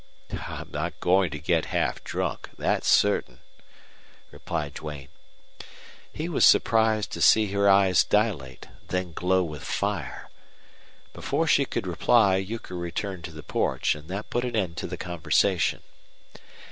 "I'm not going to get half drunk, that's certain," replied Duane. He was surprised to see her eyes dilate, then glow with fire. Before she could reply Euchre returned to the porch, and that put an end to the conversation.